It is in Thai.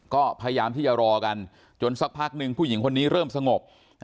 ก็พยายามที่จะรอกันจนสักพักหนึ่งผู้หญิงคนนี้เริ่มสงบ